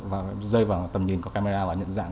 và rơi vào tầm nhìn có camera và nhận dạng